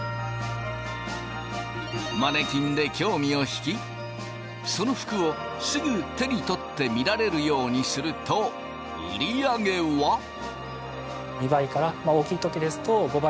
マネキンで興味をひきその服をすぐ手に取って見られるようにすると売り上げは。というわけだ！